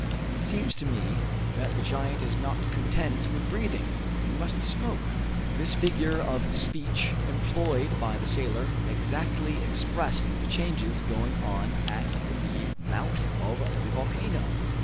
It seems to me that the giant is not content with breathing; he must smoke!" This figure of speech employed by the sailor exactly expressed the changes going on at the mouth of the volcano.